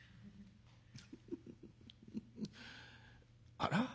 「あら？